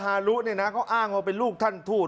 ฮรุเนี่ยนะเขาอ้างว่าเป็นลูกท่านทูต